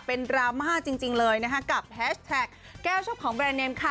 เป็นดราม่าจริงเลยนะคะกับแฮชแท็กแก้วเจ้าของแบรนดเนมค่ะ